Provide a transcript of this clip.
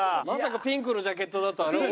まさかピンクのジャケットだとは。